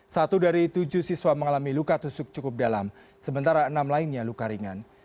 satu dari tujuh siswa mengalami luka tusuk cukup dalam sementara enam lainnya luka ringan